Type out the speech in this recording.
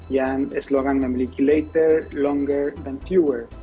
yang esloan memiliki later longer dan fewer